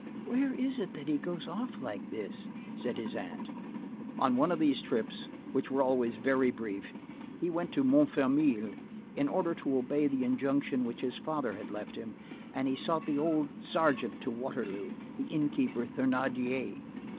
"Where is it that he goes off like this?" said his aunt. On one of these trips, which were always very brief, he went to Montfermeil, in order to obey the injunction which his father had left him, and he sought the old sergeant to Waterloo, the inn keeper Thénardier.